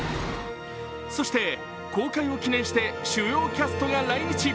そして公開を記念して主要キャストが来日。